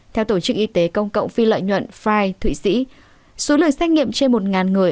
theo tổ chức y tế công cộng phi lợi nhuận fire thụy sĩ số lời xét nghiệm trên một người